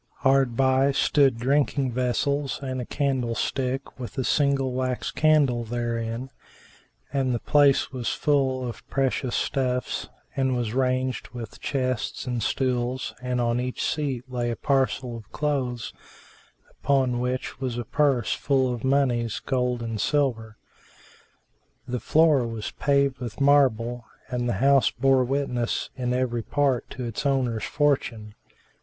Hard by stood drinking vessels and a candlestick with a single wax candle therein; and the place was full of precious stuffs and was ranged with chests and stools, and on each seat lay a parcel of clothes upon which was a purse full of monies, gold and silver. The floor was paved with marble and the house bore witness in every part to its owner's fortune.